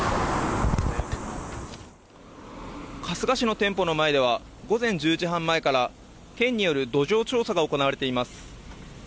春日市の店舗の前では午前１０時半前から、県による土壌調査が行われています。